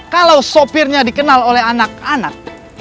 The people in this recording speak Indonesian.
kalau sopirnya dikenal oleh anak anak